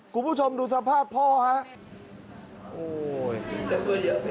คุณผู้ชมดูสภาพพ่อฮะ